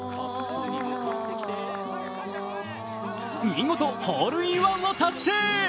見事、ホールインワンを達成。